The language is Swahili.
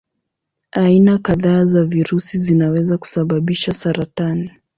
Aina kadhaa za virusi zinaweza kusababisha saratani.